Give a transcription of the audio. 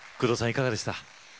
いかがでした？